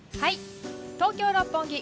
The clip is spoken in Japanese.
東京・六本木